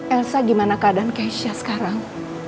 elsa gimana keadaan keisha sekarang